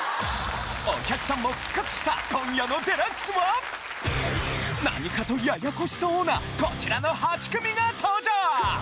お客さんも復活した何かとややこしそなこちらの８組が登場！